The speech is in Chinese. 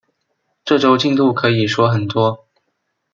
这周进度可以说很多